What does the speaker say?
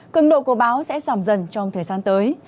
cường độ của bão sẽ sảm dần trong thời gian tới